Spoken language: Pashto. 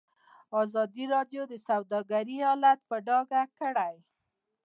ازادي راډیو د سوداګري حالت په ډاګه کړی.